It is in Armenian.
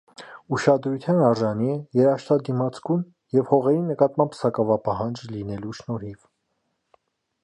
Ուշադրության արժանի է երաշտադիմացկուն և հողերի նկատմամբ սակավապահանջ լինելու շնորհիվ։